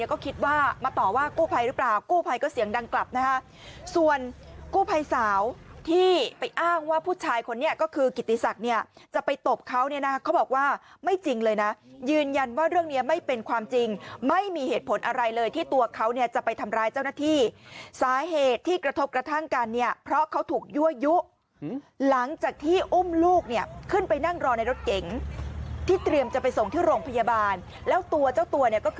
ใครก็คิดว่ามาต่อว่ากู้ภัยหรือเปล่ากู้ภัยก็เสียงดังกลับนะฮะส่วนกู้ภัยสาวที่ไปอ้างว่าผู้ชายคนนี้ก็คือกิตตีศักดิ์เนี่ยจะไปตบเขาเนี่ยนะเขาบอกว่าไม่จริงเลยนะยืนยันว่าเรื่องนี้ไม่เป็นความจริงไม่มีเหตุผลอะไรเลยที่ตัวเขาเนี่ยจะไปทำร้ายเจ้าหน้าที่สาเหตุที่กระทบกระทั่งกันเนี่ยเพราะเขาถ